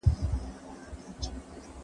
د اقتصادي پرمختګ لپاره يې پلانونه جوړ کړي.